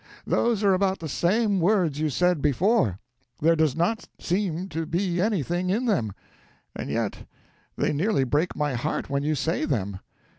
Those are about the same words you said before; there does not seem to be anything in them, and yet they nearly break my heart when you say them.